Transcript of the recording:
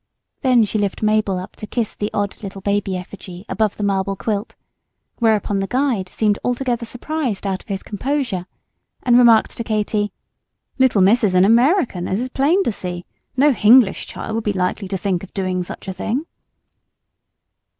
Then she lifted Mabel up to kiss the odd little baby effigy above the marble quilt; whereupon the guide seemed altogether surprised out of his composure, and remarked to Katy, "Little Miss is an h'American, as is plain to see; no h'English child would be likely to think of doing such a thing."